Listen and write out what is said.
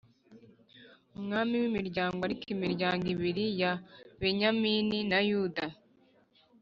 Umwami w imiryango ariko imiryango ibiri ya benyamini na yuda